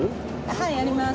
はいやります。